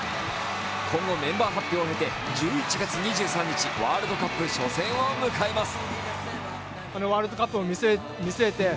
今後、メンバー発表を経て来月２３日ワールドカップ初戦を迎えます。